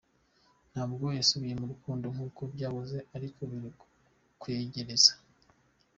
Ntabwo basubiye mu rukundo nk’uko byahoze ariko biri kwegereza.